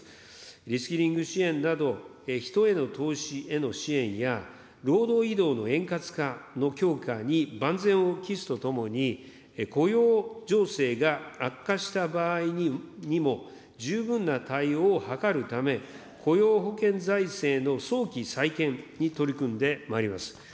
リスキリング支援など、人への投資への支援や、労働移動の円滑化の強化に万全を期すとともに、雇用情勢が悪化した場合にも、十分な対応を図るため、雇用保険財政の早期再建に取り組んでまいります。